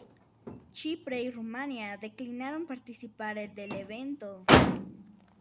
Chipre y Rumanía declinaron participar del evento.